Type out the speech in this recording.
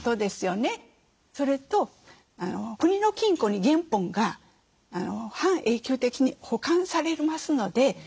それと国の金庫に原本が半永久的に保管されますので。